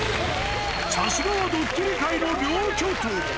さすがはドッキリ界の両巨頭。